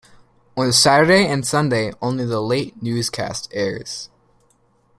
On Saturday and Sunday, only the late newscast airs.